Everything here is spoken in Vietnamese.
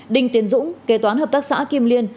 đinh tiến dũng kế toán hợp tác xã kim liên